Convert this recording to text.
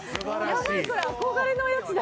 やばいこれ憧れのやつだ